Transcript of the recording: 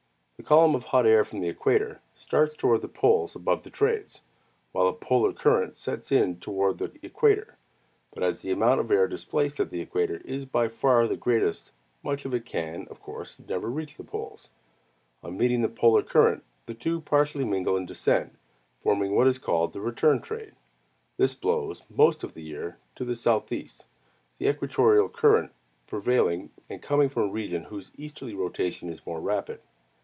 The column of hot air from the equator starts toward the poles above the trades, while a polar current sets in toward the equator; but as the amount of air displaced at the equator is by far the greatest, much of it can, of course, never reach the poles. On meeting the polar current, the two partially mingle and descend, forming what is called the return trade. This blows, most of the year, to the southeast, the equatorial current prevailing and coming from a region whose easterly rotation is more rapid.